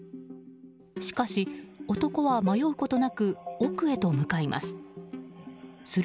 しかし、男は迷うことなく奥へと向かいます。